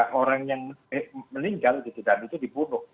ada orang yang meninggal gitu dan itu dibunuh